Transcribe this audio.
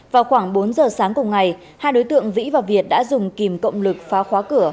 vào khoảng bốn giờ sáng cùng ngày hai đối tượng vĩ và việt đã dùng kìm cộng lực phá khóa cửa